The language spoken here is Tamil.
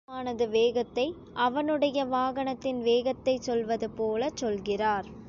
முருகப் பெருமானது வேகத்தை, அவனுடைய வாகனத்தின் வேகத்தைச் சொல்வது போலச் சொல்கிறார்.